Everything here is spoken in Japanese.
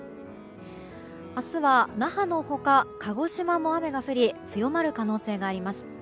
明日は那覇の他、鹿児島も雨が降り強まる可能性があります。